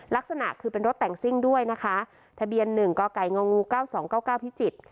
ลักษณะคือเป็นรถแต่งซิ่งด้วยนะคะทะเบียนหนึ่งก็ไก่งงูเก้าสองเก้าเก้าพิจิตร